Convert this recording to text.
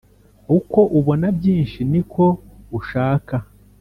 uko ubona byinshi, niko ushaka